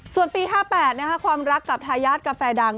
ส่วนปี๕๘ความรักกับทายาทกาแฟดัง